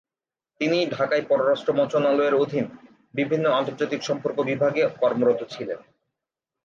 তিনি ঢাকায় পররাষ্ট্র মন্ত্রণালয়ের অধীন বিভিন্ন আন্তর্জাতিক সম্পর্ক বিভাগে কর্মরত ছিলেন।